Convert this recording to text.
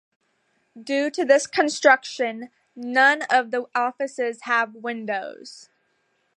Due to this construction, none of the offices have windows.